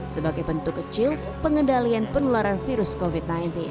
sebagai bentuk kecil pengendalian penularan virus covid sembilan belas